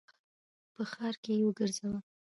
په ښار کي یې وګرځوه !